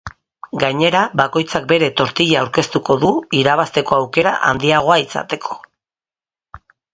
Gainera, bakoitzak bere tortilla aurkeztuko du irabazteko aukera handiagoa izateko.